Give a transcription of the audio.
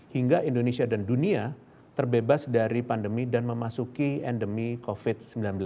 hingga indonesia dan dunia terbebas dari pandemi dan memasuki endemi covid sembilan belas